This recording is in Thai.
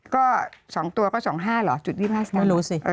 ก็๒ตัวก็๒๕หรือจุด๒๕สตางค์ไม่รู้สิ